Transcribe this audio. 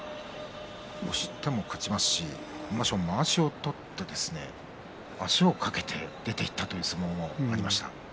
押しても勝ちますしまわしを取って足を掛けて出ていった相撲もありました。